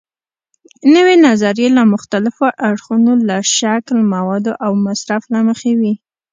نوې نظریې له مختلفو اړخونو لکه شکل، موادو او مصرف له مخې وي.